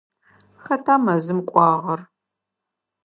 Хэта мэзым кӏуагъэр?